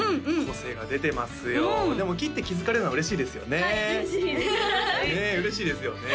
個性が出てますよでも切って気づかれるのは嬉しいですよね嬉しいですねえ